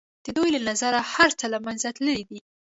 د دوی له نظره هر څه له منځه تللي دي.